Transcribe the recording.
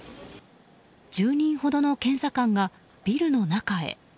１０人ほどの検査官がビルの中へ。